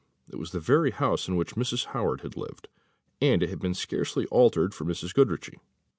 it was the very house in which Mrs. Howard had lived, and it had been scarcely altered for Mrs. Goodriche.